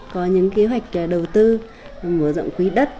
có những kế hoạch đầu tư mở rộng quý đất